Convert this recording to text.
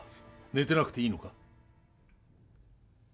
寝てなくていいのか？